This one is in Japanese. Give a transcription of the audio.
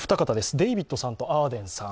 デイビットさんとアーデンさん。